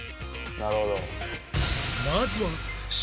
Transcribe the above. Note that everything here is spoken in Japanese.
「なるほど」